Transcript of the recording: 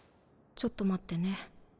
ちょっと待ってね。